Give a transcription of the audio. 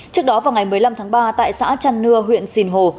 trước đó vào ngày một mươi năm tháng ba tại xã trăn nưa huyện sìn hồ